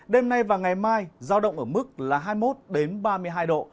đêm nay và ngày mai giao động ở mức là hai mươi một ba mươi hai độ